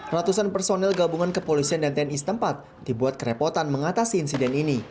ratusan personel gabungan kepolisian dan tni setempat dibuat kerepotan mengatasi insiden ini